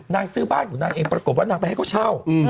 ซื้อบ้านของนางเองปรากฏว่านางไปให้เขาเช่า